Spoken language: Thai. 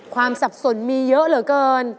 สับสนมีเยอะเหลือเกิน